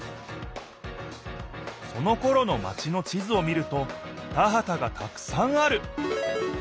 そのころのマチの地図を見ると田はたがたくさんある。